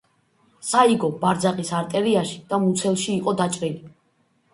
საიგო ბარძაყის არტერიაში და მუცელში იყო დაჭრილი.